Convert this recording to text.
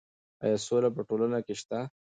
ایا سوله په ټولنه کې شته؟